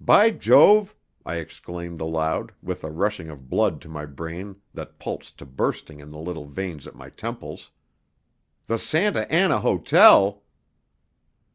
"By Jove!" I exclaimed aloud, with a rushing of blood to my brain that pulsed to bursting in the little veins at my temples. "_The Santa Anna Hotel!